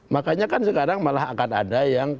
makanya kan sekarang malah akan ada yang